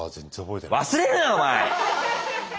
忘れるなよお前！